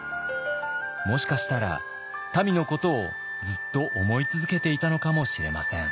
もしかしたらたみのことをずっと思い続けていたのかもしれません。